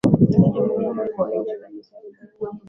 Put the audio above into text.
Na tayari mnamo elfumoja miatisa arobaini na nne